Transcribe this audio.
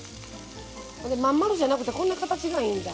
真ん丸じゃなくてこんな形がいいんだ。